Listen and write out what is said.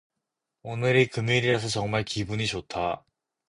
오늘이 금요일이라서 정말 기분이 좋다.